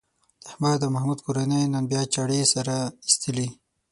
د احمد او محمود کورنیو نن بیا چاړې سره ایستلې.